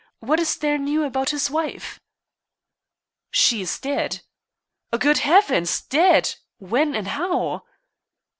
What is there new about his wife?" "She is dead." "Good Heavens! Dead! When, and how?"